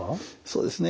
そうですね。